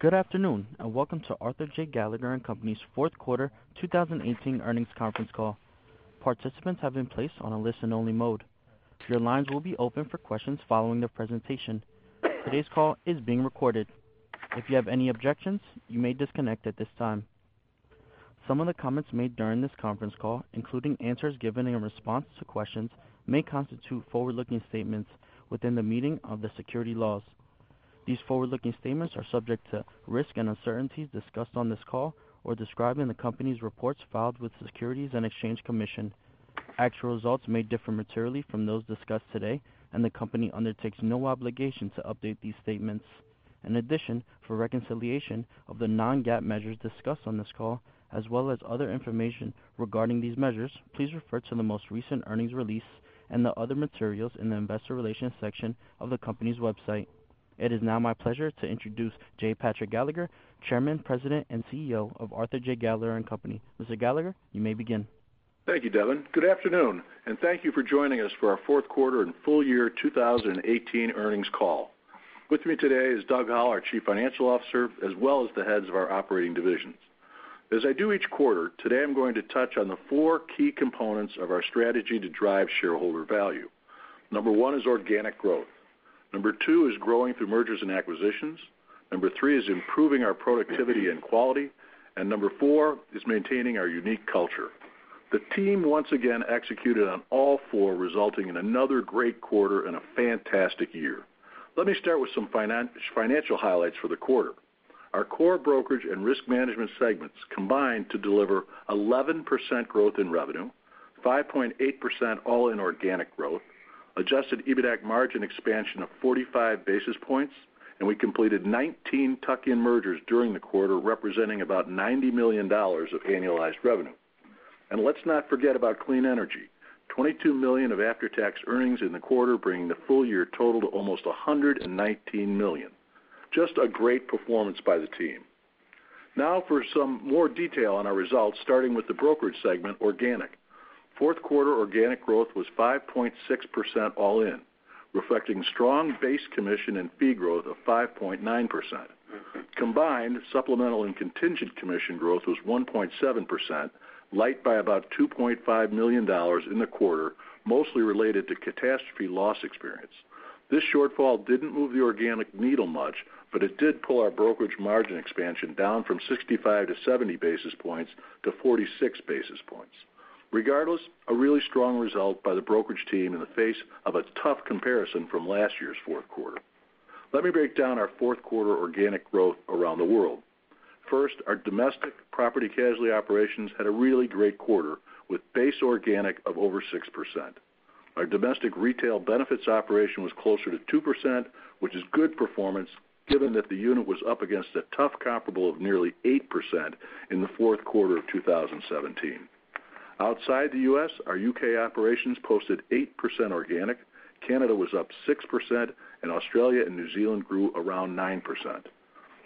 Good afternoon. Welcome to Arthur J. Gallagher & Company's fourth quarter 2018 earnings conference call. Participants have been placed on a listen-only mode. Your lines will be open for questions following the presentation. Today's call is being recorded. If you have any objections, you may disconnect at this time. Some of the comments made during this conference call, including answers given in response to questions, may constitute forward-looking statements within the meaning of the securities laws. These forward-looking statements are subject to risks and uncertainties discussed on this call or described in the company's reports filed with the Securities and Exchange Commission. Actual results may differ materially from those discussed today. The company undertakes no obligation to update these statements. In addition, for reconciliation of the non-GAAP measures discussed on this call, as well as other information regarding these measures, please refer to the most recent earnings release and the other materials in the investor relations section of the company's website. It is now my pleasure to introduce J. Patrick Gallagher, Chairman, President, and CEO of Arthur J. Gallagher & Company. Mr. Gallagher, you may begin. Thank you, Devin. Good afternoon. Thank you for joining us for our fourth quarter and full year 2018 earnings call. With me today is Doug Howell, our Chief Financial Officer, as well as the heads of our operating divisions. As I do each quarter, today I'm going to touch on the four key components of our strategy to drive shareholder value. Number one is organic growth. Number two is growing through mergers and acquisitions. Number three is improving our productivity and quality. Number four is maintaining our unique culture. The team once again executed on all four, resulting in another great quarter and a fantastic year. Let me start with some financial highlights for the quarter. Our core brokerage and risk management segments combined to deliver 11% growth in revenue, 5.8% all-in organic growth, adjusted EBITAC margin expansion of 45 basis points, and we completed 19 tuck-in mergers during the quarter, representing about $90 million of annualized revenue. Let's not forget about clean energy. $22 million of after-tax earnings in the quarter, bringing the full-year total to almost $119 million. Just a great performance by the team. For some more detail on our results, starting with the brokerage segment organic. Fourth quarter organic growth was 5.6% all in, reflecting strong base commission and fee growth of 5.9%. Combined supplemental and contingent commission growth was 1.7%, light by about $2.5 million in the quarter, mostly related to catastrophe loss experience. This shortfall didn't move the organic needle much, but it did pull our brokerage margin expansion down from 65 to 70 basis points to 46 basis points. Regardless, a really strong result by the brokerage team in the face of a tough comparison from last year's fourth quarter. Let me break down our fourth quarter organic growth around the world. First, our domestic property casualty operations had a really great quarter, with base organic of over 6%. Our domestic retail benefits operation was closer to 2%, which is good performance given that the unit was up against a tough comparable of nearly 8% in the fourth quarter of 2017. Outside the U.S., our U.K. operations posted 8% organic, Canada was up 6%, and Australia and New Zealand grew around 9%.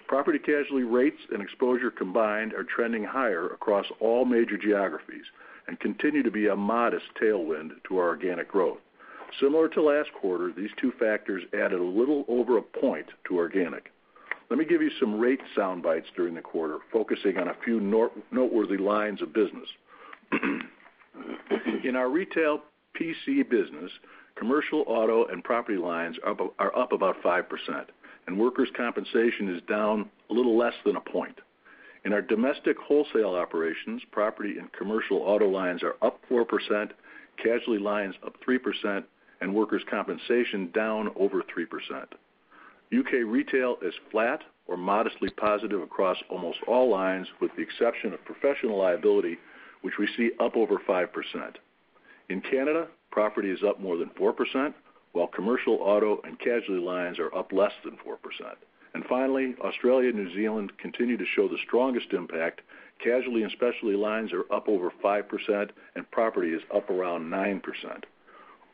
Property casualty rates and exposure combined are trending higher across all major geographies and continue to be a modest tailwind to our organic growth. Similar to last quarter, these two factors added a little over a point to organic. Let me give you some rate soundbites during the quarter, focusing on a few noteworthy lines of business. In our retail PC business, commercial auto and property lines are up about 5%, and workers' compensation is down a little less than a point. In our domestic wholesale operations, property and commercial auto lines are up 4%, casualty lines up 3%, and workers' compensation down over 3%. U.K. retail is flat or modestly positive across almost all lines, with the exception of professional liability, which we see up over 5%. In Canada, property is up more than 4%, while commercial auto and casualty lines are up less than 4%. Finally, Australia and New Zealand continue to show the strongest impact. Casualty and specialty lines are up over 5%, and property is up around 9%.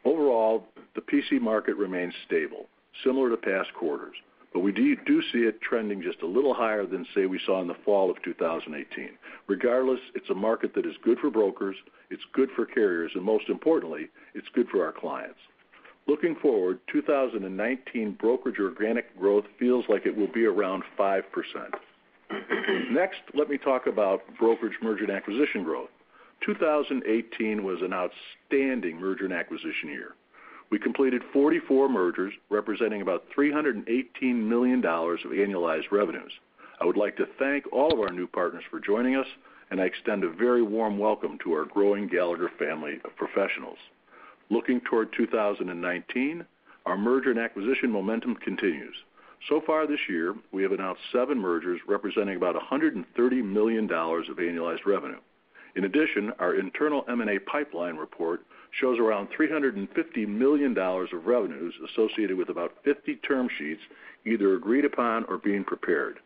Overall, the PC market remains stable, similar to past quarters. But we do see it trending just a little higher than, say, we saw in the fall of 2018. Regardless, it's a market that is good for brokers, it's good for carriers, and most importantly, it's good for our clients. Looking forward, 2019 brokerage organic growth feels like it will be around 5%. Next, let me talk about brokerage merger and acquisition growth. 2018 was an outstanding merger and acquisition year. We completed 44 mergers, representing about $318 million of annualized revenues. I would like to thank all of our new partners for joining us, and I extend a very warm welcome to our growing Gallagher family of professionals. Looking toward 2019, our merger and acquisition momentum continues. So far this year, we have announced seven mergers representing about $130 million of annualized revenue. In addition, our internal M&A pipeline report shows around $350 million of revenues associated with about 50 term sheets either agreed upon or being prepared.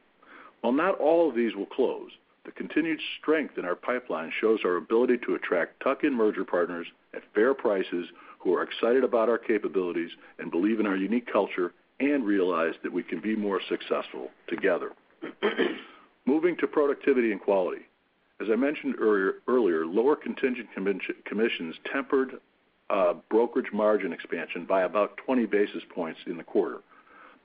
While not all of these will close, the continued strength in our pipeline shows our ability to attract tuck-in merger partners at fair prices who are excited about our capabilities and believe in our unique culture and realize that we can be more successful together. Moving to productivity and quality. As I mentioned earlier, lower contingent commissions tempered brokerage margin expansion by about 20 basis points in the quarter.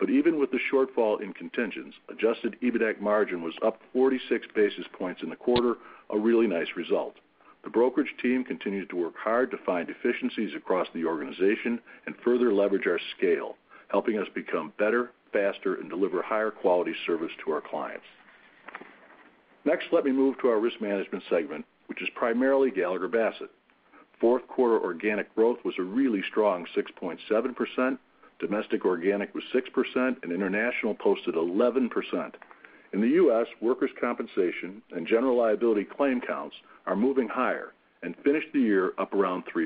Even with the shortfall in contingents, adjusted EBITAC margin was up 46 basis points in the quarter, a really nice result. The brokerage team continues to work hard to find efficiencies across the organization and further leverage our scale, helping us become better, faster, and deliver higher quality service to our clients. Next, let me move to our risk management segment, which is primarily Gallagher Bassett. Fourth quarter organic growth was a really strong 6.7%, domestic organic was 6%, and international posted 11%. In the U.S., workers' compensation and general liability claim counts are moving higher and finished the year up around 3%.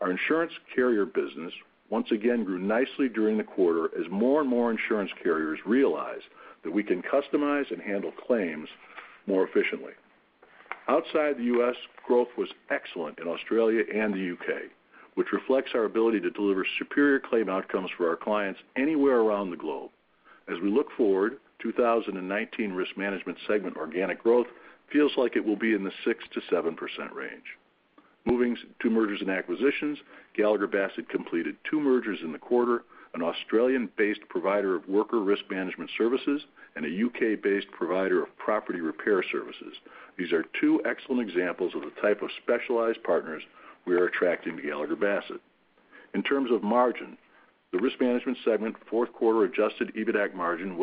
Our insurance carrier business once again grew nicely during the quarter as more and more insurance carriers realized that we can customize and handle claims more efficiently. Outside the U.S., growth was excellent in Australia and the U.K., which reflects our ability to deliver superior claim outcomes for our clients anywhere around the globe. As we look forward, 2019 risk management segment organic growth feels like it will be in the 6%-7% range. Moving to mergers and acquisitions, Gallagher Bassett completed two mergers in the quarter, an Australian-based provider of worker risk management services, and a U.K.-based provider of property repair services. These are two excellent examples of the type of specialized partners we are attracting to Gallagher Bassett. In terms of margin, the risk management segment fourth quarter adjusted EBITAC margin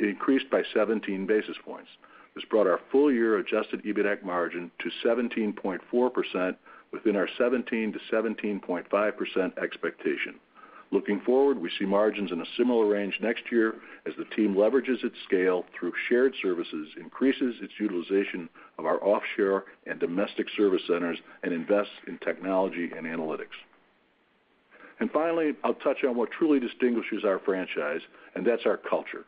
increased by 17 basis points. This brought our full-year adjusted EBITAC margin to 17.4%, within our 17%-17.5% expectation. Looking forward, we see margins in a similar range next year as the team leverages its scale through shared services, increases its utilization of our offshore and domestic service centers, and invests in technology and analytics. Finally, I'll touch on what truly distinguishes our franchise, and that's our culture.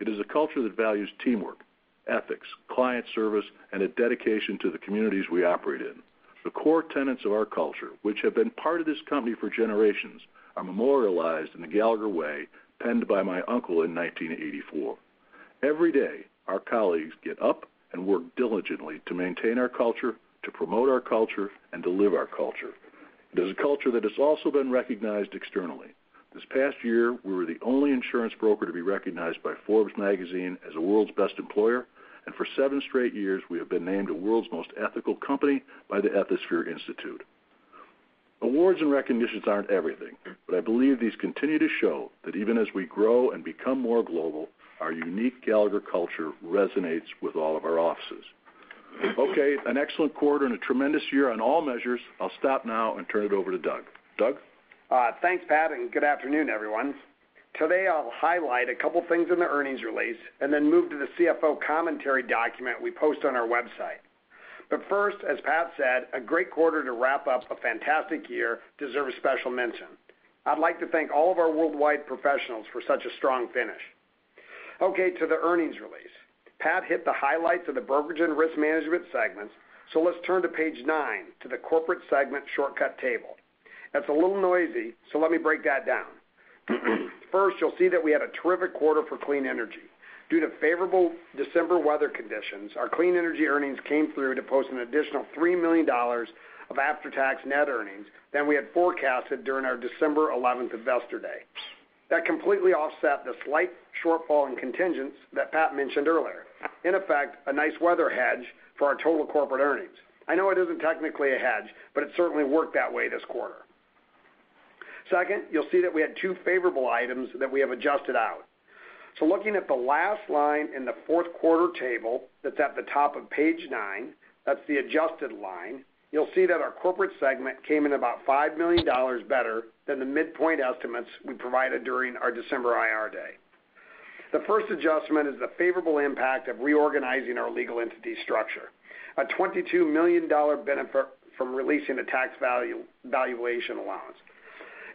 It is a culture that values teamwork, ethics, client service, and a dedication to the communities we operate in. The core tenets of our culture, which have been part of this company for generations, are memorialized in The Gallagher Way, penned by my uncle in 1984. Every day, our colleagues get up and work diligently to maintain our culture, to promote our culture, and to live our culture. It is a culture that has also been recognized externally. This past year, we were the only insurance broker to be recognized by Forbes magazine as the world's best employer, and for seven straight years, we have been named the world's most ethical company by the Ethisphere Institute. Awards and recognitions aren't everything, but I believe these continue to show that even as we grow and become more global, our unique Gallagher culture resonates with all of our offices. Okay, an excellent quarter and a tremendous year on all measures. I'll stop now and turn it over to Doug. Doug? Thanks, Pat, and good afternoon, everyone. Today, I will highlight a couple things in the earnings release and then move to the CFO Commentary document we post on our website. First, as Pat said, a great quarter to wrap up a fantastic year deserves special mention. I would like to thank all of our worldwide professionals for such a strong finish. Okay, to the earnings release. Pat hit the highlights of the brokerage and risk management segments, so let us turn to page nine, to the corporate segment shortcut table. That is a little noisy, so let me break that down. First, you will see that we had a terrific quarter for clean energy. Due to favorable December weather conditions, our clean energy earnings came through to post an additional $3 million of after-tax net earnings than we had forecasted during our December 11th Investor Day. That completely offset the slight shortfall in contingents that Pat mentioned earlier. In effect, a nice weather hedge for our total corporate earnings. I know it is not technically a hedge, but it certainly worked that way this quarter. Second, you will see that we had two favorable items that we have adjusted out. Looking at the last line in the fourth quarter table that is at the top of page nine, that is the adjusted line, you will see that our corporate segment came in about $5 million better than the midpoint estimates we provided during our December IR Day. The first adjustment is the favorable impact of reorganizing our legal entity structure. A $22 million benefit from releasing the tax valuation allowance.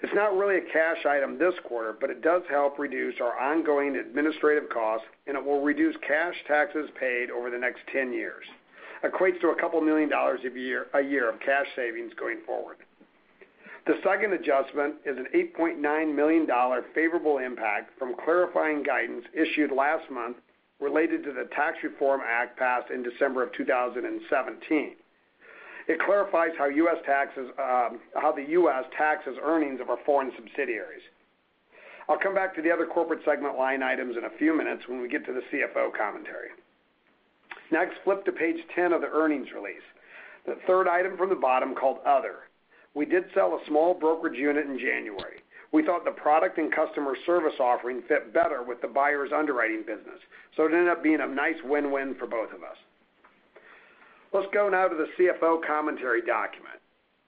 It is not really a cash item this quarter, but it does help reduce our ongoing administrative costs, and it will reduce cash taxes paid over the next 10 years. Equates to a couple million dollars a year of cash savings going forward. The second adjustment is an $8.9 million favorable impact from clarifying guidance issued last month related to the Tax Cuts and Jobs Act of 2017 passed in December of 2017. It clarifies how the U.S. taxes earnings of our foreign subsidiaries. I will come back to the other corporate segment line items in a few minutes when we get to the CFO Commentary. Flip to page 10 of the earnings release. The third item from the bottom, called other. We did sell a small brokerage unit in January. We thought the product and customer service offering fit better with the buyer's underwriting business, so it ended up being a nice win-win for both of us. Let us go now to the CFO Commentary document,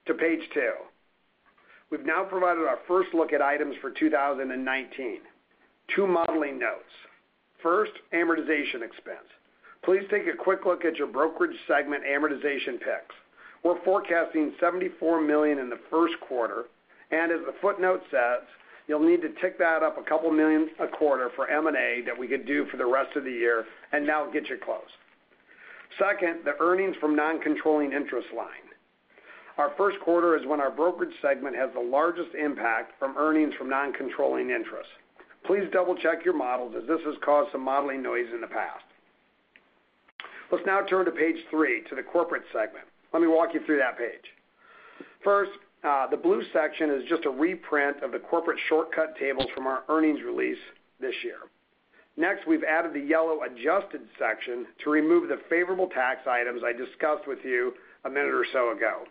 to page two. We have now provided our first look at items for 2019. Two modeling notes. First, amortization expense. Please take a quick look at your brokerage segment amortization picks. We are forecasting $74 million in the first quarter, and as the footnote says, you will need to tick that up a couple million a quarter for M&A that we could do for the rest of the year, and that will get you close. Second, the earnings from non-controlling interest line. Our first quarter is when our brokerage segment has the largest impact from earnings from non-controlling interest. Please double-check your models, as this has caused some modeling noise in the past. Let us now turn to page three, to the corporate segment. Let me walk you through that page. First, the blue section is just a reprint of the corporate shortcut tables from our earnings release this year. We've added the yellow adjusted section to remove the favorable tax items I discussed with you a minute or so ago.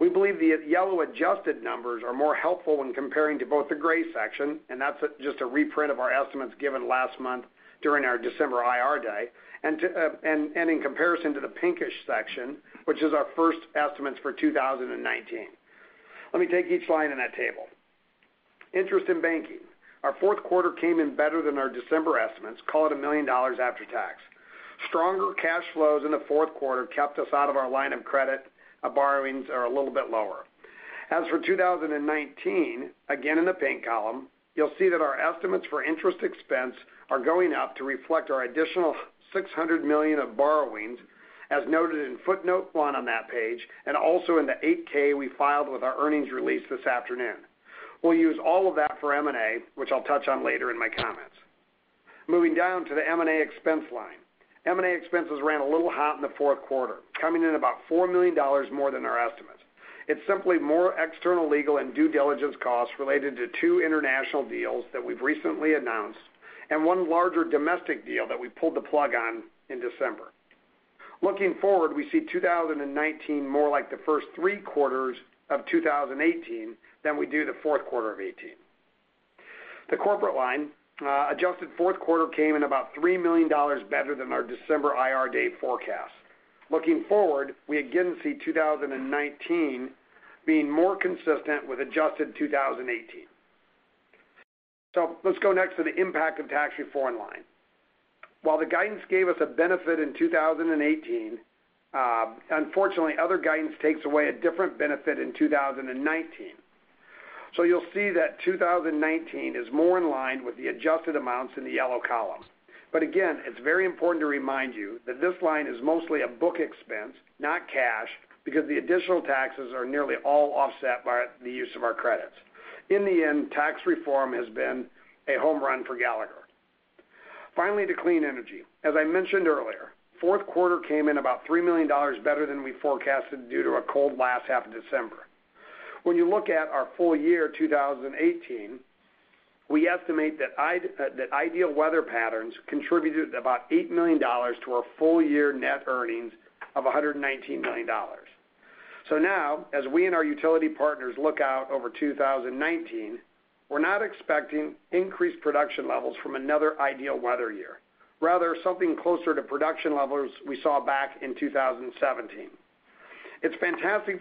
We believe the yellow adjusted numbers are more helpful when comparing to both the gray section, and that's just a reprint of our estimates given last month during our December IR day, and in comparison to the pinkish section, which is our first estimates for 2019. Let me take each line in that table. Interest in banking. Our fourth quarter came in better than our December estimates, call it $1 million after tax. Stronger cash flows in the fourth quarter kept us out of our line of credit. Our borrowings are a little bit lower. In 2019, again, in the pink column, you'll see that our estimates for interest expense are going up to reflect our additional $600 million of borrowings, as noted in footnote one on that page, and also in the 8-K we filed with our earnings release this afternoon. We'll use all of that for M&A, which I'll touch on later in my comments. Moving down to the M&A expense line. M&A expenses ran a little hot in the fourth quarter, coming in about $4 million more than our estimates. It's simply more external legal and due diligence costs related to two international deals that we've recently announced, and one larger domestic deal that we pulled the plug on in December. Looking forward, we see 2019 more like the first three quarters of 2018 than we do the fourth quarter of 2018. The corporate line, adjusted fourth quarter came in about $3 million better than our December IR day forecast. Looking forward, we again see 2019 being more consistent with adjusted 2018. Let's go next to the impact of tax reform line. While the guidance gave us a benefit in 2018, unfortunately, other guidance takes away a different benefit in 2019. You'll see that 2019 is more in line with the adjusted amounts in the yellow column. Again, it's very important to remind you that this line is mostly a book expense, not cash, because the additional taxes are nearly all offset by the use of our credits. In the end, tax reform has been a home run for Gallagher. Finally, to clean energy. As I mentioned earlier, fourth quarter came in about $3 million better than we forecasted due to a cold last half of December. When you look at our full year 2018, we estimate that ideal weather patterns contributed about $8 million to our full-year net earnings of $119 million. Now, as we and our utility partners look out over 2019, we're not expecting increased production levels from another ideal weather year. Rather, something closer to production levels we saw back in 2017. It's fantastic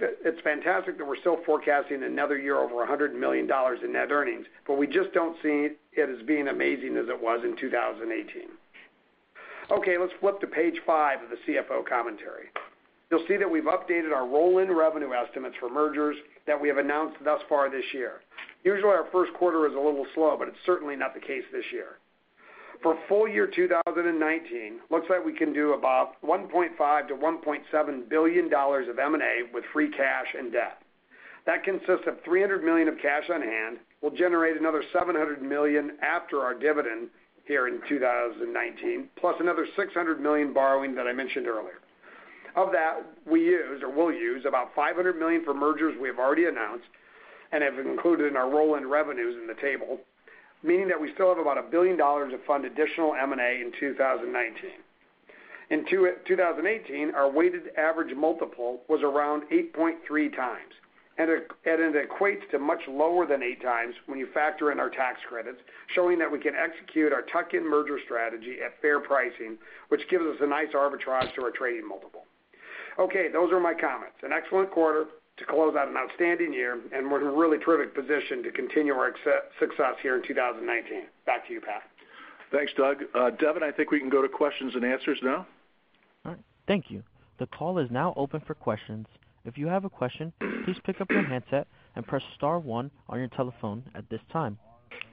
that we're still forecasting another year over $100 million in net earnings, but we just don't see it as being amazing as it was in 2018. Let's flip to page five of the CFO Commentary. You'll see that we've updated our roll-in revenue estimates for mergers that we have announced thus far this year. Usually, our first quarter is a little slow, but it's certainly not the case this year. For full year 2019, looks like we can do about $1.5 billion-$1.7 billion of M&A with free cash and debt. That consists of $300 million of cash on hand. We'll generate another $700 million after our dividend here in 2019, plus another $600 million borrowing that I mentioned earlier. Of that, we'll use about $500 million for mergers we have already announced and have included in our roll-in revenues in the table, meaning that we still have about $1 billion of fund additional M&A in 2019. In 2018, our weighted average multiple was around 8.3x, and it equates to much lower than 8x when you factor in our tax credits, showing that we can execute our tuck-in merger strategy at fair pricing, which gives us a nice arbitrage to our trading multiple. Okay. Those are my comments. An excellent quarter to close out an outstanding year, we're in a really terrific position to continue our success here in 2019. Back to you, Pat. Thanks, Doug. Devin, I think we can go to questions and answers now. All right. Thank you. The call is now open for questions. If you have a question, please pick up your handset and press star one on your telephone at this time.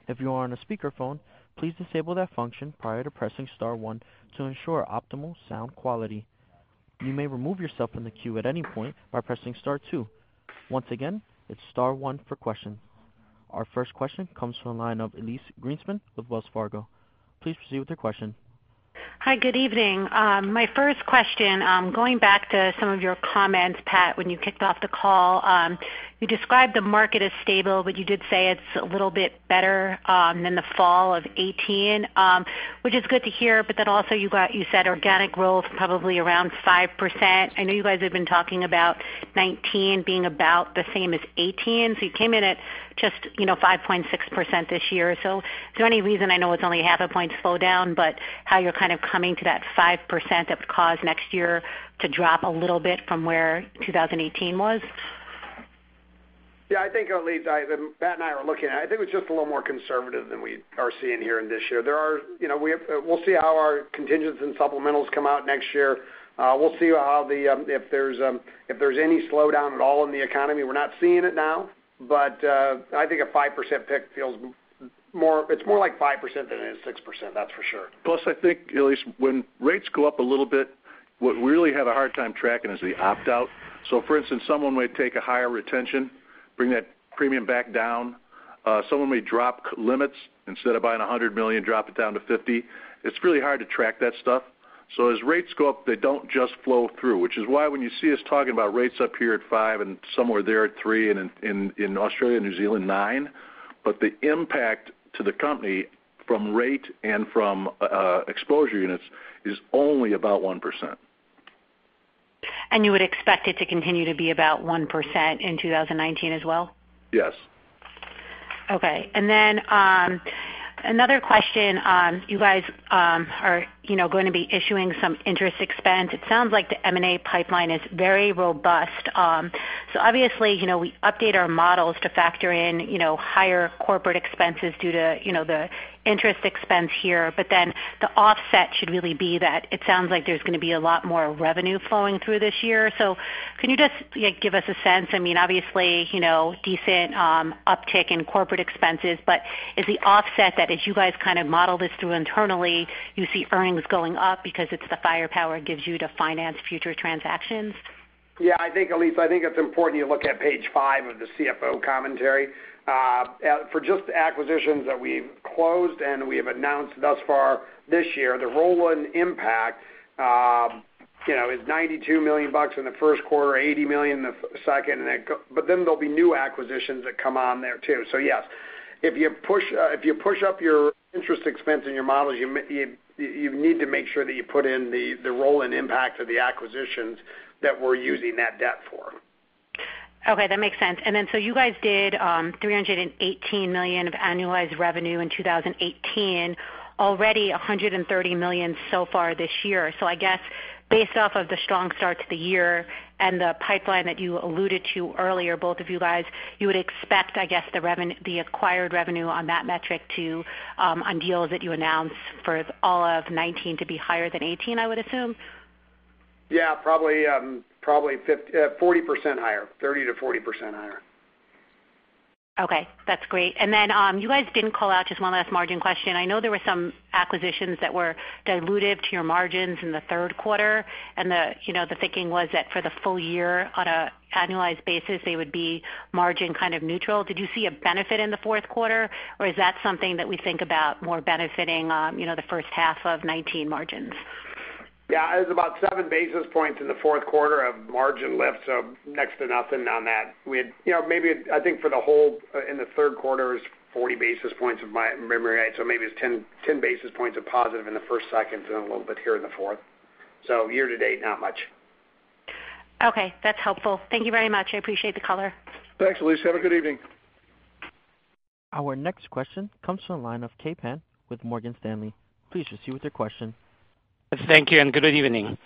If you are on a speakerphone, please disable that function prior to pressing star one to ensure optimal sound quality. You may remove yourself from the queue at any point by pressing star two. Once again, it's star one for questions. Our first question comes from the line of Elyse Greenspan with Wells Fargo. Please proceed with your question. Hi. Good evening. My first question, going back to some of your comments, Pat, when you kicked off the call. You described the market as stable, you did say it's a little bit better than the fall of 2018, which is good to hear. Also you said organic growth probably around 5%. I know you guys have been talking about 2019 being about the same as 2018. You came in at just 5.6% this year. Is there any reason, I know it's only a half a point slowdown, but how you're kind of coming to that 5% that would cause next year to drop a little bit from where 2018 was? Yeah. I think, Elyse, Pat and I were looking at it. I think it was just a little more conservative than we are seeing here in this year. We'll see how our contingents and supplementals come out next year. We'll see if there's any slowdown at all in the economy. We're not seeing it now, I think a 5% tick feels more like 5% than it is 6%, that's for sure. Plus, I think, Elyse, when rates go up a little bit, what we really have a hard time tracking is the opt-out. For instance, someone might take a higher retention, bring that premium back down. Someone may drop limits. Instead of buying $100 million, drop it down to $50 million. It's really hard to track that stuff. As rates go up, they don't just flow through, which is why when you see us talking about rates up here at 5% and somewhere there at 3%, and in Australia and New Zealand, 9%, the impact to the company from rate and from exposure units is only about 1%. You would expect it to continue to be about 1% in 2019 as well? Yes. Okay. Another question. You guys are going to be issuing some interest expense. It sounds like the M&A pipeline is very robust. Obviously, we update our models to factor in higher corporate expenses due to the interest expense here, the offset should really be that it sounds like there's going to be a lot more revenue flowing through this year. Can you just give us a sense? Obviously, decent uptick in corporate expenses, is the offset that as you guys model this through internally, you see earnings going up because it's the firepower it gives you to finance future transactions? I think, Elyse, I think it's important you look at page five of the CFO commentary. For just acquisitions that we've closed and we have announced thus far this year, the roll-in impact is $92 million in the first quarter, $80 million in the second, there will be new acquisitions that come on there too. Yes, if you push up your interest expense in your models, you need to make sure that you put in the roll-in impact of the acquisitions that we're using that debt for. Okay. That makes sense. You guys did $318 million of annualized revenue in 2018. Already $130 million so far this year. I guess based off of the strong start to the year and the pipeline that you alluded to earlier, both of you guys, you would expect, I guess, the acquired revenue on that metric too, on deals that you announce for all of 2019 to be higher than 2018, I would assume? Probably 40% higher. 30%-40% higher. Okay. That's great. You guys didn't call out just one last margin question. I know there were some acquisitions that were dilutive to your margins in the third quarter, the thinking was that for the full year on an annualized basis, they would be margin kind of neutral. Did you see a benefit in the fourth quarter, or is that something that we think about more benefiting the first half of 2019 margins? Yeah, it was about seven basis points in the fourth quarter of margin lift, next to nothing on that. I think for the whole in the third quarter, it was 40 basis points, if my memory right, maybe it's 10 basis points of positive in the first, second, and then a little bit here in the fourth. Year to date, not much. Okay, that's helpful. Thank you very much. I appreciate the color. Thanks, Elyse. Have a good evening. Our next question comes from the line of Kai Pan with Morgan Stanley. Please proceed with your question. Thank you, and good evening.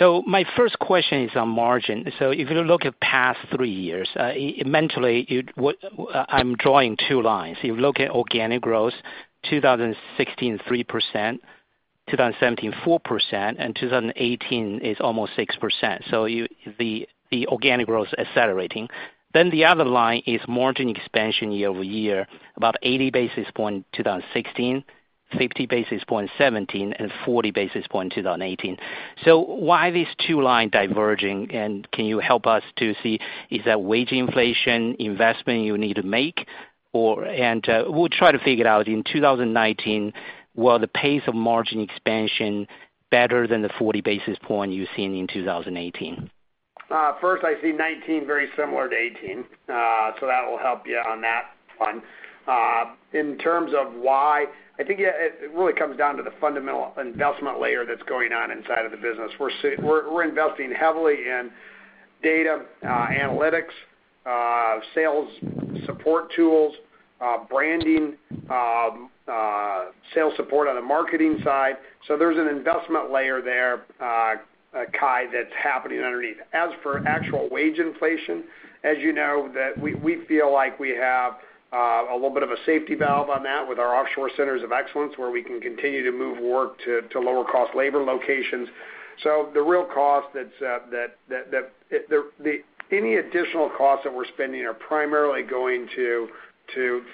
My first question is on margin. If you look at past three years, mentally, I'm drawing two lines. You look at organic growth, 2016, 3%, 2017, 4%, and 2018 is almost 6%. The organic growth is accelerating. The other line is margin expansion year-over-year, about 80 basis points 2016, 50 basis points 2017, and 40 basis points 2018. Why are these two lines diverging, and can you help us to see, is that wage inflation, investment you need to make? We'll try to figure it out, in 2019, will the pace of margin expansion be better than the 40 basis points you've seen in 2018? First, I see 2019 very similar to 2018. That will help you on that front. In terms of why, I think it really comes down to the fundamental investment layer that's going on inside of the business. We're investing heavily in data analytics, sales support tools, branding, sales support on the marketing side. There's an investment layer there, Kai, that's happening underneath. As for actual wage inflation, as you know, we feel like we have a little bit of a safety valve on that with our offshore centers of excellence, where we can continue to move work to lower cost labor locations. Any additional costs that we're spending are primarily going to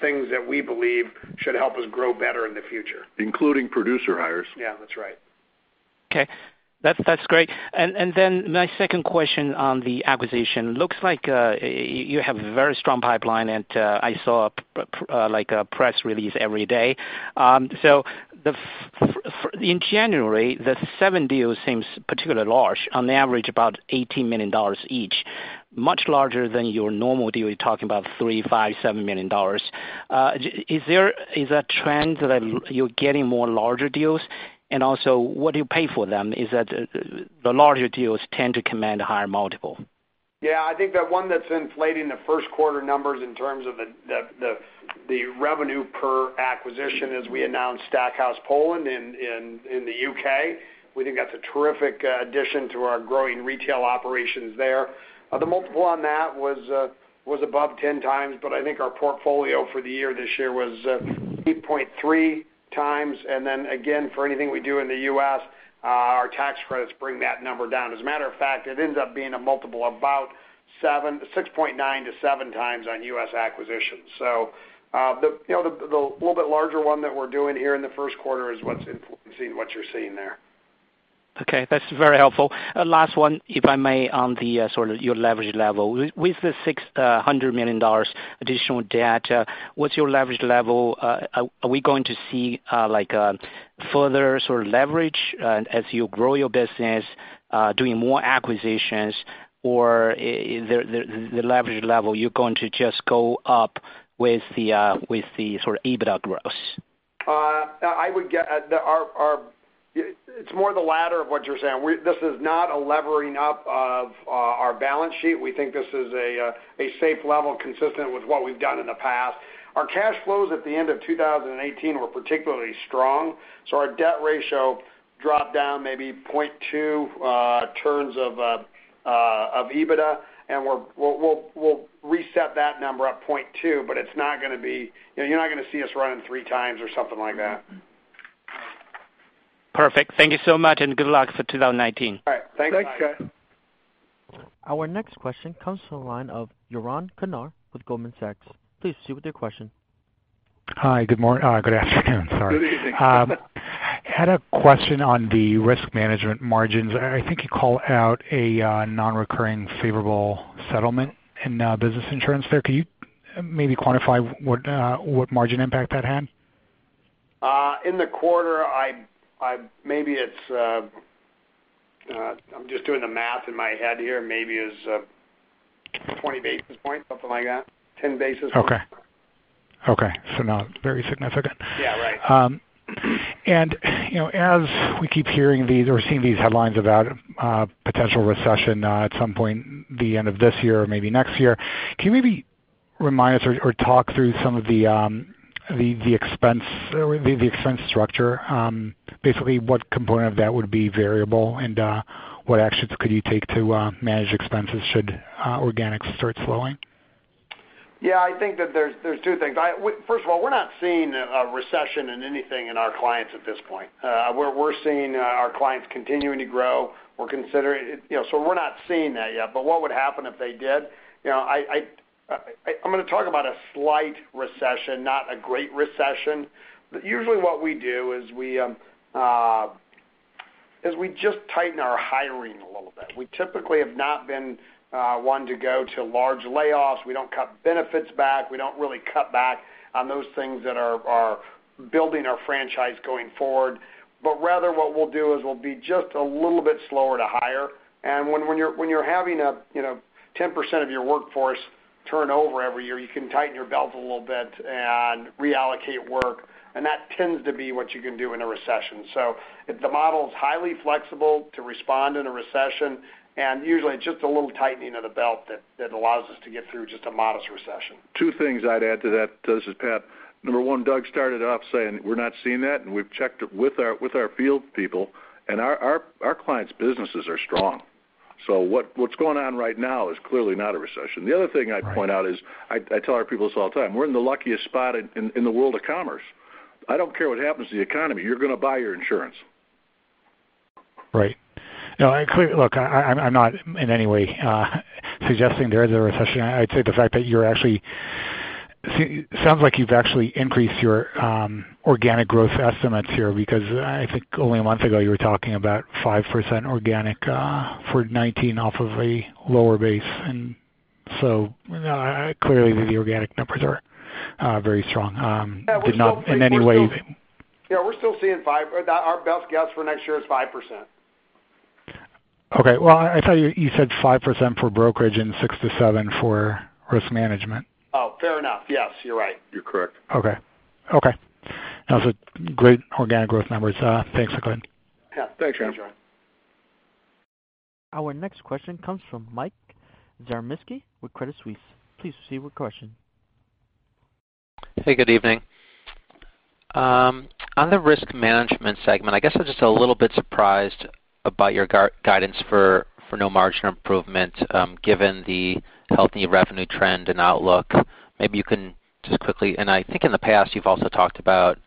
things that we believe should help us grow better in the future. Including producer hires. Yeah, that's right. Okay. That's great. Then my second question on the acquisition. Looks like you have a very strong pipeline, and I saw a press release every day. In January, the seven deals seems particularly large. On average, about $18 million each. Much larger than your normal deal. You're talking about three, five, $7 million. Is that trends that you're getting more larger deals? Also, what do you pay for them? Is that the larger deals tend to command a higher multiple? Yeah, I think the one that's inflating the first quarter numbers in terms of the revenue per acquisition is we announced Stackhouse Poland in the U.K. We think that's a terrific addition to our growing retail operations there. The multiple on that was above 10 times, but I think our portfolio for the year this year was 8.3 times. Then again, for anything we do in the U.S., our tax credits bring that number down. As a matter of fact, it ends up being a multiple about 6.9 to 7 times on U.S. acquisitions. The little bit larger one that we're doing here in the first quarter is what's influencing what you're seeing there. Okay, that's very helpful. Last one, if I may, on your leverage level. With the $600 million additional debt, what's your leverage level? Are we going to see a further leverage as you grow your business doing more acquisitions? The leverage level, you're going to just go up with the EBITDA growth? It's more the latter of what you're saying. This is not a levering up of our balance sheet. We think this is a safe level consistent with what we've done in the past. Our cash flows at the end of 2018 were particularly strong, so our debt ratio dropped down maybe 0.2 turns of EBITDA, and we'll reset that number at 0.2, but you're not going to see us running three times or something like that. Perfect. Thank you so much, and good luck for 2019. All right. Thanks. Thanks, Kai. Our next question comes from the line of Yaron Kinar with Goldman Sachs. Please see with your question. Hi, good morning. Good afternoon, sorry. Good evening. Had a question on the risk management margins. I think you called out a non-recurring favorable settlement in business insurance there. Could you maybe quantify what margin impact that had? In the quarter, I'm just doing the math in my head here, maybe it was 20 basis points, something like that, 10 basis points. Okay. Not very significant. Yeah, right. As we keep hearing these or seeing these headlines about potential recession at some point the end of this year or maybe next year, can you maybe remind us or talk through some of the expense structure? Basically, what component of that would be variable, and what actions could you take to manage expenses should organic start slowing? I think that there's two things. First of all, we're not seeing a recession in anything in our clients at this point. We're seeing our clients continuing to grow. We're not seeing that yet, but what would happen if they did? I'm going to talk about a slight recession, not a great recession. Usually what we do is we just tighten our hiring a little bit. We typically have not been one to go to large layoffs. We don't cut benefits back. We don't really cut back on those things that are building our franchise going forward. Rather, what we'll do is we'll be just a little bit slower to hire. When you're having 10% of your workforce turnover every year, you can tighten your belt a little bit and reallocate work, and that tends to be what you can do in a recession. The model is highly flexible to respond in a recession, and usually it's just a little tightening of the belt that allows us to get through just a modest recession. Two things I'd add to that. This is Pat. Number one, Doug started off saying we're not seeing that, and we've checked it with our field people, and our clients' businesses are strong. What's going on right now is clearly not a recession. The other thing I'd point out is, I tell our people this all the time, we're in the luckiest spot in the world of commerce. I don't care what happens to the economy, you're going to buy your insurance. Right. Look, I'm not in any way suggesting there is a recession. I'd say the fact that it sounds like you've actually increased your organic growth estimates here, because I think only a month ago you were talking about 5% organic for 2019 off of a lower base, clearly the organic numbers are very strong. Did not in any way- Yeah, we're still seeing our best guess for next year is 5%. Okay. Well, I thought you said 5% for brokerage and 6%-7% for risk management. Oh, fair enough. Yes, you're right. You're correct. Okay. Those are great organic growth numbers. Thanks again. Yeah. Thanks, Yaron. Thanks, Yaron. Our next question comes from Mike Zaremski with Credit Suisse. Please proceed with your question. Hey, good evening. On the Risk Management segment, I guess I was just a little bit surprised about your guidance for no margin improvement, given the healthy revenue trend and outlook. Maybe you can just quickly, and I think in the past you've also talked about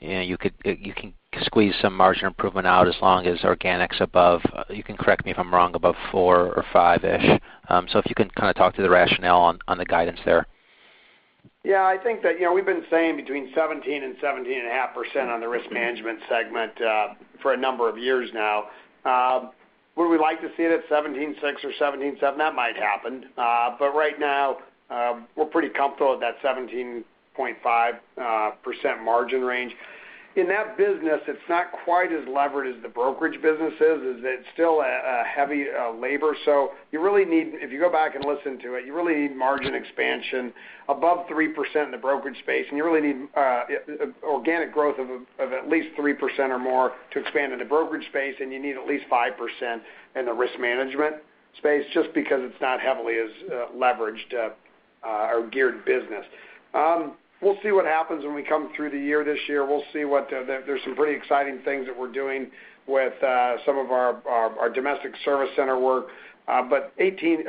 you can squeeze some margin improvement out as long as organic's above, you can correct me if I'm wrong, above four or five-ish. If you can talk to the rationale on the guidance there. Yeah, I think that we've been saying between 17% and 17.5% on the Risk Management segment for a number of years now. Would we like to see it at 17.6% or 17.7%? That might happen. Right now, we're pretty comfortable at that 17.5% margin range. In that business, it's not quite as levered as the brokerage business is, as it's still a heavy labor. If you go back and listen to it, you really need margin expansion above 3% in the brokerage space, and you really need organic growth of at least 3% or more to expand in the brokerage space, and you need at least 5% in the Risk Management space, just because it's not heavily as leveraged or geared business. We'll see what happens when we come through the year this year. There's some pretty exciting things that we're doing with some of our domestic service center work. 2020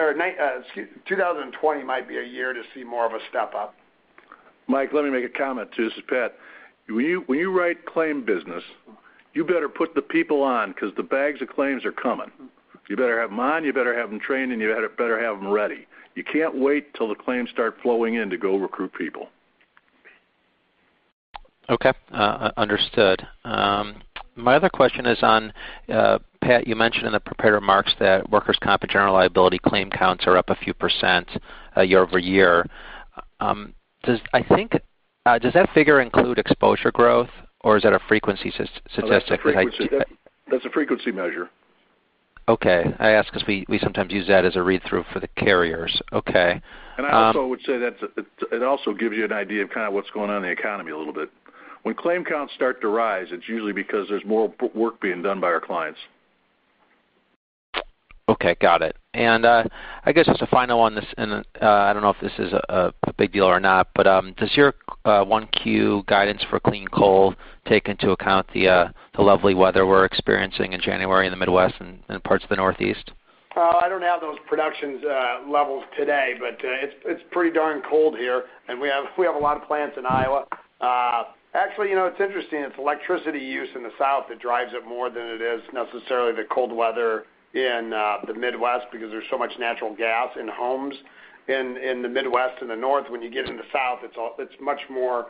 might be a year to see more of a step-up. Mike, let me make a comment, too. This is Pat. When you write claim business, you better put the people on because the bags of claims are coming. You better have them on, you better have them trained, and you better have them ready. You can't wait till the claims start flowing in to go recruit people. Okay. Understood. My other question is on, Pat, you mentioned in the prepared remarks that workers' comp and general liability claim counts are up a few % year-over-year. Does that figure include exposure growth or is that a frequency statistic? That's a frequency measure. Okay. I ask because we sometimes use that as a read-through for the carriers. Okay. I also would say that it also gives you an idea of what's going on in the economy a little bit. When claim counts start to rise, it's usually because there's more work being done by our clients. Okay. Got it. I guess just a final one on this, and I don't know if this is a big deal or not, but does your 1Q guidance for clean coal take into account the lovely weather we're experiencing in January in the Midwest and parts of the Northeast? I don't have those production levels today, but it's pretty darn cold here, and we have a lot of plants in Iowa. Actually, it's interesting. It's electricity use in the South that drives it more than it is necessarily the cold weather in the Midwest because there's so much natural gas in homes in the Midwest and the North. When you get into the South, it's much more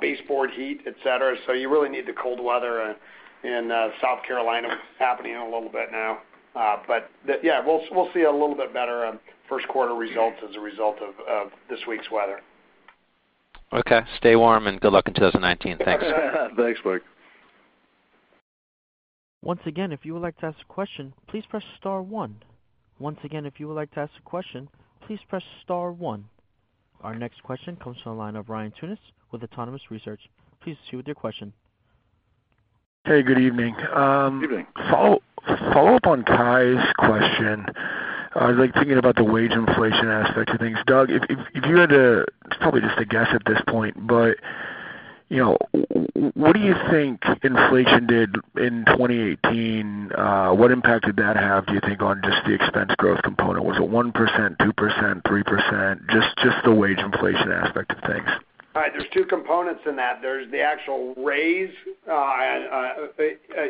baseboard heat, et cetera, so you really need the cold weather in South Carolina, which is happening a little bit now. We'll see a little bit better first quarter results as a result of this week's weather. Okay. Stay warm and good luck in 2019. Thanks. Thanks, Blake. Once again, if you would like to ask a question, please press star one. Once again, if you would like to ask a question, please press star one. Our next question comes from the line of Ryan Tunis with Autonomous Research. Please proceed with your question. Hey, good evening. Good evening. Follow-up on Kai's question. I was thinking about the wage inflation aspect of things. Doug, it's probably just a guess at this point, but what do you think inflation did in 2018? What impact did that have, do you think, on just the expense growth component? Was it 1%, 2%, 3%? Just the wage inflation aspect of things. There's two components in that. There's the actual raise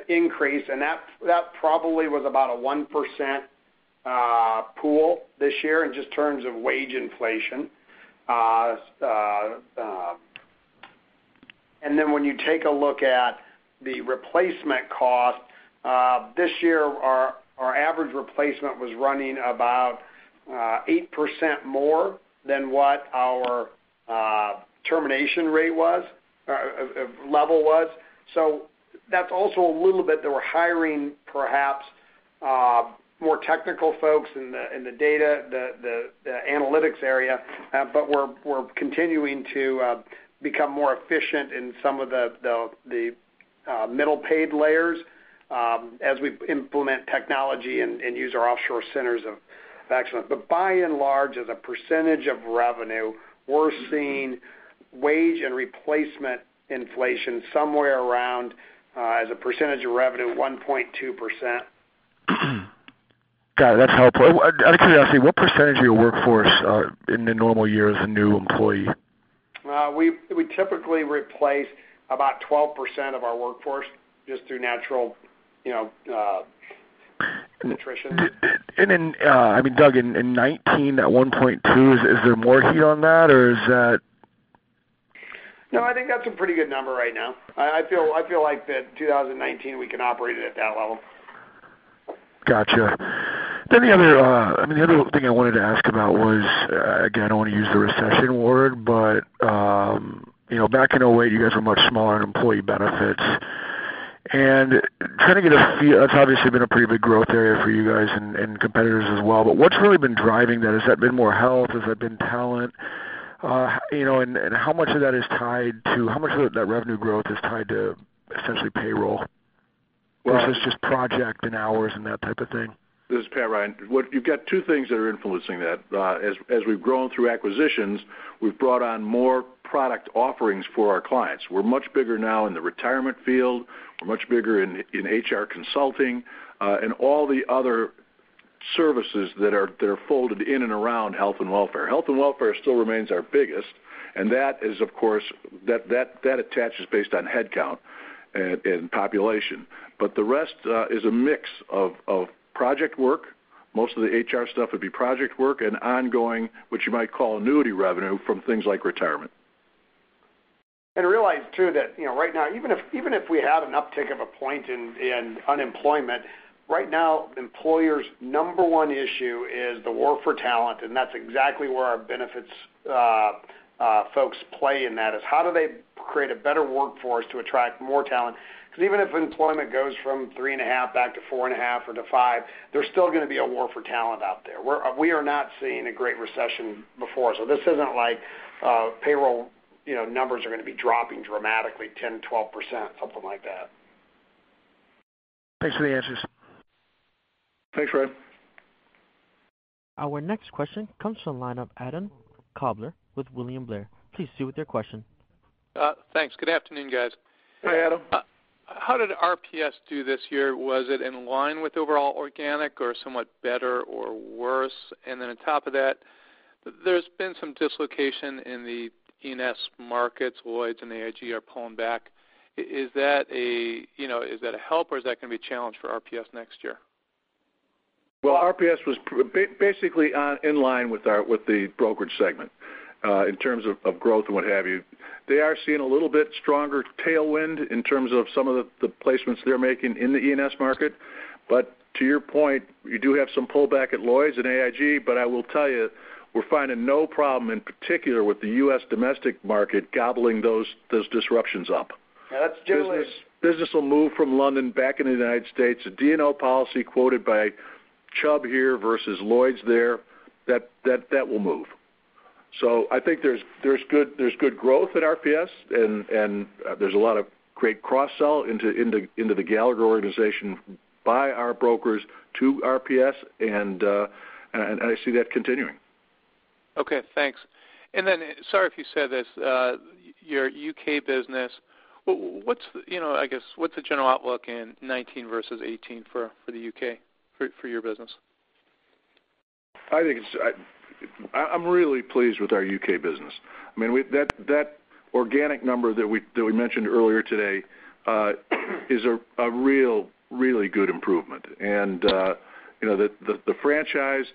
increase, that probably was about a 1% pool this year in just terms of wage inflation. When you take a look at the replacement cost, this year, our average replacement was running about 8% more than what our termination rate level was. That's also a little bit, they were hiring perhaps more technical folks in the data, the analytics area. We're continuing to become more efficient in some of the middle paid layers as we implement technology and use our offshore centers of excellence. By and large, as a percentage of revenue, we're seeing wage and replacement inflation somewhere around, as a percentage of revenue, 1.2%. Got it. That's helpful. I was going to ask you, what percentage of your workforce in the normal year is a new employee? We typically replace about 12% of our workforce just through natural attrition. Doug, in 2019, at 1.2%, is there more heat on that? I think that's a pretty good number right now. I feel like that 2019, we can operate it at that level. Got you. The other thing I wanted to ask about was, again, I don't want to use the recession word, but back in 2008, you guys were much smaller in employee benefits. That's obviously been a pretty big growth area for you guys and competitors as well, what's really been driving that? Has that been more health? Has that been talent? How much of that revenue growth is tied to essentially payroll? Is this just project and hours and that type of thing? This is Pat, Ryan. You've got two things that are influencing that. As we've grown through acquisitions, we've brought on more product offerings for our clients. We're much bigger now in the retirement field. We're much bigger in HR consulting, and all the other services that are folded in and around health and welfare. Health and welfare still remains our biggest, and that is, of course, that attach is based on headcount and population. The rest is a mix of project work. Most of the HR stuff would be project work and ongoing, which you might call annuity revenue from things like retirement. Realize too, that right now, even if we had an uptick of a point in unemployment, right now, employers' number 1 issue is the war for talent, and that's exactly where our benefits folks play in that, is how do they create a better workforce to attract more talent? Even if employment goes from 3.5% back to 4.5% or to 5%, there's still going to be a war for talent out there. We are not seeing a great recession before. This isn't like payroll numbers are going to be dropping dramatically 10%, 12%, something like that. Thanks for the answers. Thanks, Ryan. Our next question comes from the line of Adam Klauber with William Blair. Please proceed with your question. Thanks. Good afternoon, guys. Hey, Adam. How did RPS do this year? Was it in line with overall organic or somewhat better or worse? Then on top of that, there's been some dislocation in the P&C markets. Lloyd's and AIG are pulling back. Is that a help or is that going to be a challenge for RPS next year? Well, RPS was basically in line with the brokerage segment, in terms of growth and what have you. They are seeing a little bit stronger tailwind in terms of some of the placements they're making in the E&S market. To your point, you do have some pullback at Lloyd's and AIG. I will tell you, we're finding no problem in particular with the U.S. domestic market gobbling those disruptions up. That's generally. Business will move from London back into the United States. A D&O policy quoted by Chubb here versus Lloyd's there, that will move. I think there's good growth at RPS, and there's a lot of great cross-sell into the Gallagher organization by our brokers to RPS, and I see that continuing. Okay, thanks. Sorry if you said this, your U.K. business, I guess, what's the general outlook in 2019 versus 2018 for the U.K. for your business? I'm really pleased with our U.K. business. That organic number that we mentioned earlier today is a really good improvement. The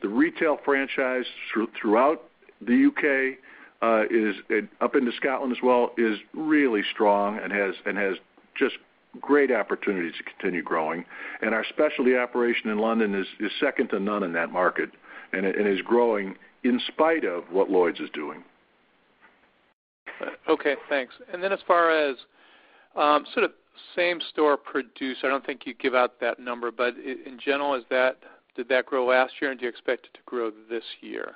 retail franchise throughout the U.K., up into Scotland as well, is really strong and has just great opportunities to continue growing. Our specialty operation in London is second to none in that market and is growing in spite of what Lloyd's is doing. Okay, thanks. As far as sort of same-store produce, I don't think you give out that number, but in general, did that grow last year, and do you expect it to grow this year?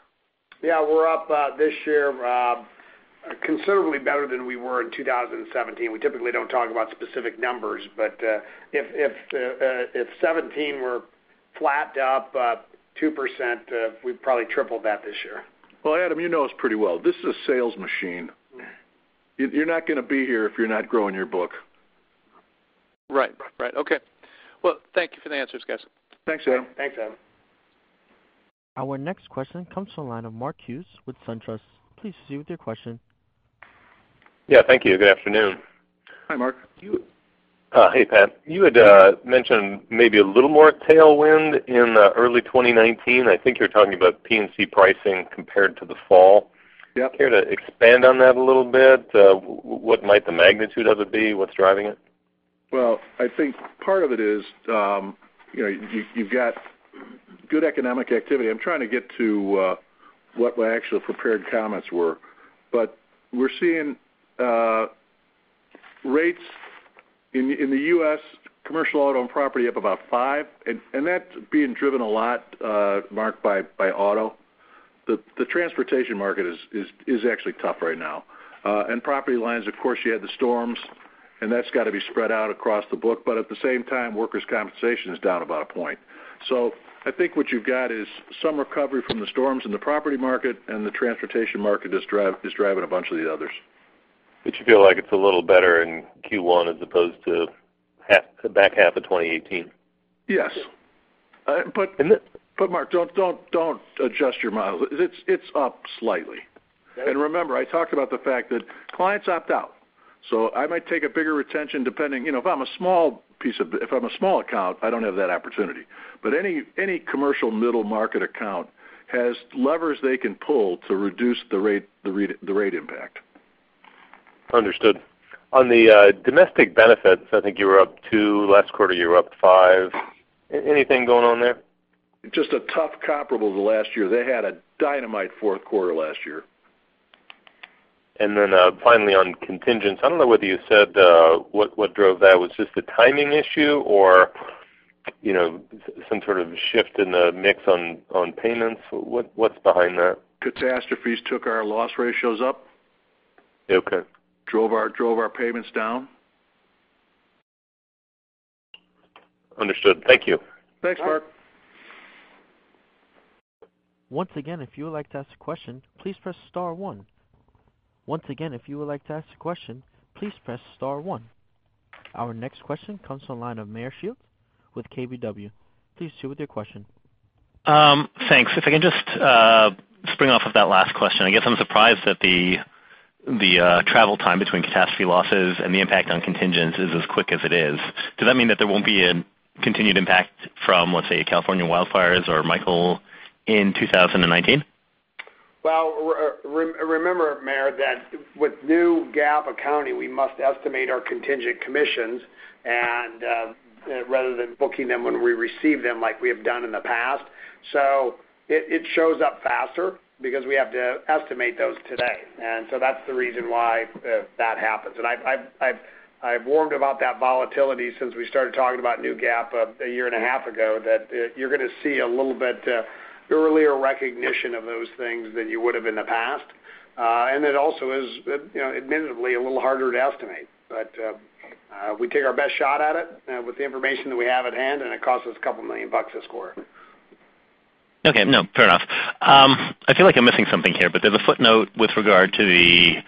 Yeah. We're up this year considerably better than we were in 2017. We typically don't talk about specific numbers, but if 2017 were flat to up 2%, we've probably tripled that this year. Well, Adam, you know us pretty well. This is a sales machine. You're not going to be here if you're not growing your book. Right. Okay. Well, thank you for the answers, guys. Thanks, Adam. Thanks, Adam. Our next question comes from the line of Mark Hughes with SunTrust. Please proceed with your question. Yeah, thank you. Good afternoon. Hi, Mark. Hey, Pat. You had mentioned maybe a little more tailwind in early 2019. I think you're talking about P&C pricing compared to the fall. Yep. Care to expand on that a little bit? What might the magnitude of it be? What's driving it? Well, I think part of it is you've got good economic activity. I'm trying to get to what my actual prepared comments were, we're seeing rates in the U.S. commercial auto and property up about five, and that's being driven a lot, Mark, by auto. The transportation market is actually tough right now. Property lines, of course, you had the storms, and that's got to be spread out across the book. At the same time, workers' compensation is down about a point. I think what you've got is some recovery from the storms in the property market, and the transportation market is driving a bunch of the others. You feel like it's a little better in Q1 as opposed to the back half of 2018? Yes. Mark, don't adjust your model. It's up slightly. Okay. Remember, I talked about the fact that clients opt out, so I might take a bigger retention. If I'm a small account, I don't have that opportunity. Any commercial middle market account has levers they can pull to reduce the rate impact. Understood. On the domestic benefits, I think you were up two, last quarter you were up five. Anything going on there? Just a tough comparable to last year. They had a dynamite fourth quarter last year. Finally on contingents, I don't know whether you said what drove that was just a timing issue or some sort of shift in the mix on payments. What's behind that? Catastrophes took our loss ratios up. Okay. Drove our payments down. Understood. Thank you. Thanks, Mark. Once again, if you would like to ask a question, please press star one. Once again, if you would like to ask a question, please press star one. Our next question comes from the line of Meyer Shields with KBW. Please state your question. Thanks. If I can just spring off of that last question, I guess I'm surprised that the travel time between catastrophe losses and the impact on contingents is as quick as it is. Does that mean that there won't be a continued impact from, let's say, California wildfires or Michael in 2019? Well, remember, Meyer, that with new GAAP accounting, we must estimate our contingent commissions rather than booking them when we receive them like we have done in the past. It shows up faster because we have to estimate those today. That's the reason why that happens. I've warned about that volatility since we started talking about new GAAP a year and a half ago, that you're going to see a little bit earlier recognition of those things than you would have in the past. It also is admittedly a little harder to estimate. We take our best shot at it with the information that we have at hand, and it costs us a couple million bucks a score. Okay. No, fair enough. I feel like I'm missing something here. There's a footnote with regard to the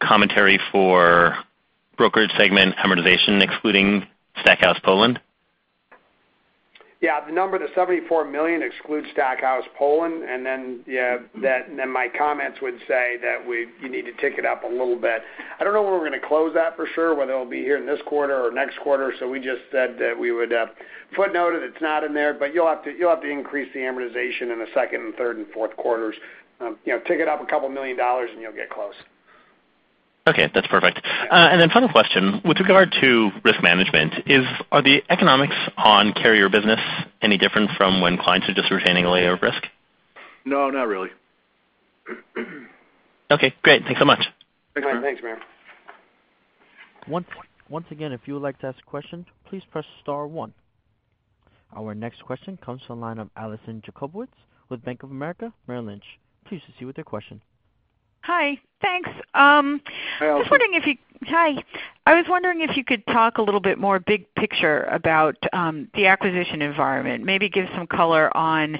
Commentary for brokerage segment amortization excluding Stackhouse Poland. Yeah, the number, the $74 million excludes Stackhouse Poland. My comments would say that you need to tick it up a little bit. I don't know when we're going to close that for sure, whether it'll be here in this quarter or next quarter. We just said that we would footnote it. It's not in there. You'll have to increase the amortization in the second and third and fourth quarters. Tick it up a couple million dollars, and you'll get close. Okay, that's perfect. Final question. With regard to risk management, are the economics on carrier business any different from when clients are just retaining a layer of risk? No, not really. Okay, great. Thanks so much. Thanks, Meyer. Once again, if you would like to ask questions, please press *1. Our next question comes from the line of Allison Jacobowitz with Bank of America Merrill Lynch. Please proceed with your question. Hi, thanks. Hi, Alison. Hi. I was wondering if you could talk a little bit more big picture about the acquisition environment. Maybe give some color on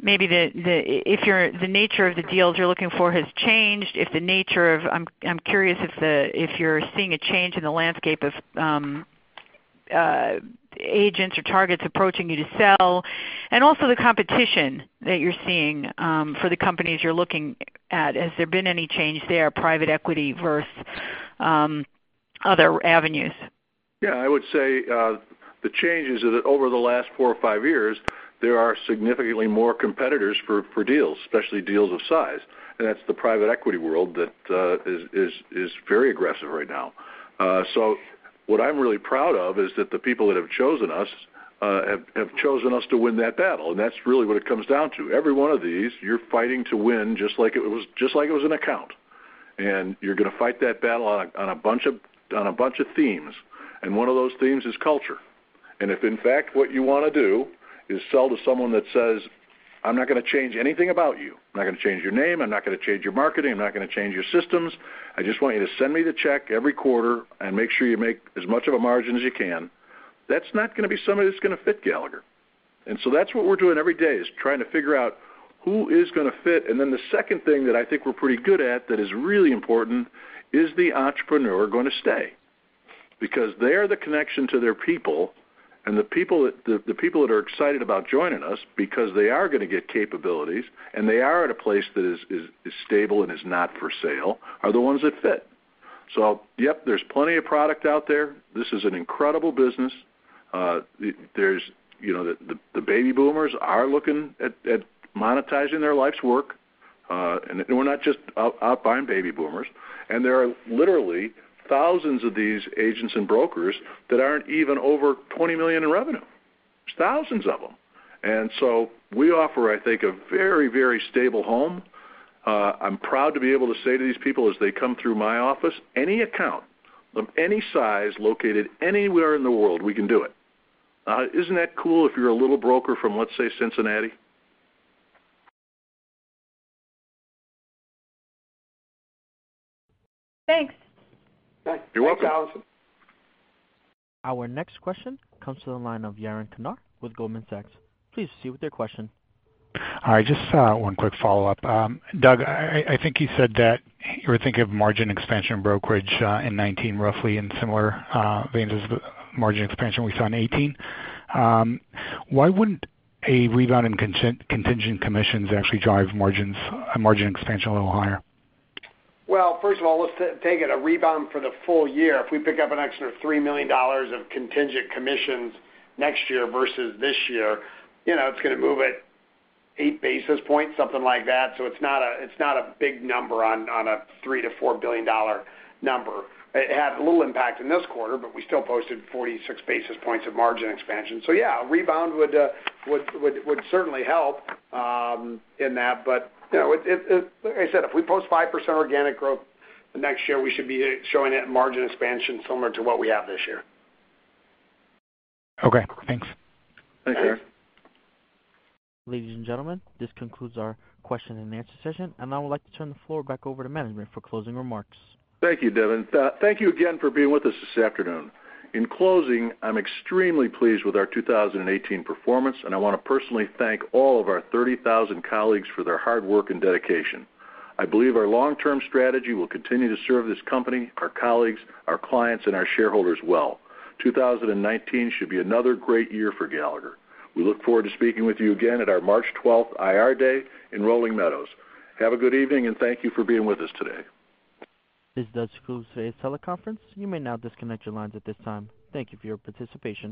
maybe if the nature of the deals you're looking for has changed, if the nature of I'm curious if you're seeing a change in the landscape of agents or targets approaching you to sell, and also the competition that you're seeing for the companies you're looking at. Has there been any change there, private equity versus other avenues? Yeah, I would say the changes over the last four or five years, there are significantly more competitors for deals, especially deals of size. That's the private equity world that is very aggressive right now. What I'm really proud of is that the people that have chosen us have chosen us to win that battle. That's really what it comes down to. Every one of these, you're fighting to win just like it was an account. You're going to fight that battle on a bunch of themes. One of those themes is culture. If, in fact, what you want to do is sell to someone that says, "I'm not going to change anything about you. I'm not going to change your name. I'm not going to change your marketing. I'm not going to change your systems. I just want you to send me the check every quarter and make sure you make as much of a margin as you can," that's not going to be somebody that's going to fit Gallagher. That's what we're doing every day, is trying to figure out who is going to fit. Then the second thing that I think we're pretty good at that is really important is the entrepreneur going to stay. They are the connection to their people, and the people that are excited about joining us because they are going to get capabilities, and they are at a place that is stable and is not for sale, are the ones that fit. Yep, there's plenty of product out there. This is an incredible business. The baby boomers are looking at monetizing their life's work. We're not just out buying baby boomers. There are literally thousands of these agents and brokers that aren't even over $20 million in revenue. There's thousands of them. So we offer, I think, a very, very stable home. I'm proud to be able to say to these people as they come through my office, any account of any size located anywhere in the world, we can do it. Isn't that cool if you're a little broker from, let's say, Cincinnati? Thanks. You're welcome. Our next question comes to the line of Yaron Kinar with Goldman Sachs. Please proceed with your question. Hi, just one quick follow-up. Doug, I think you said that you were thinking of margin expansion brokerage in 2019, roughly in similar vein as the margin expansion we saw in 2018. Why wouldn't a rebound in contingent commissions actually drive margins, margin expansion a little higher? Well, first of all, let's take it a rebound for the full year. If we pick up an extra $3 million of contingent commissions next year versus this year, it's going to move at eight basis points, something like that. It's not a big number on a $3 billion-$4 billion number. It had a little impact in this quarter, but we still posted 46 basis points of margin expansion. Yeah, a rebound would certainly help in that. Like I said, if we post 5% organic growth the next year, we should be showing that margin expansion similar to what we have this year. Okay, thanks. Thanks, Yaron. Ladies and gentlemen, this concludes our question and answer session, and I would like to turn the floor back over to management for closing remarks. Thank you, Devin. Thank you again for being with us this afternoon. In closing, I'm extremely pleased with our 2018 performance, and I want to personally thank all of our 30,000 colleagues for their hard work and dedication. I believe our long-term strategy will continue to serve this company, our colleagues, our clients, and our shareholders well. 2019 should be another great year for Gallagher. We look forward to speaking with you again at our March 12th IR day in Rolling Meadows. Have a good evening, and thank you for being with us today. This does conclude today's teleconference. You may now disconnect your lines at this time. Thank you for your participation.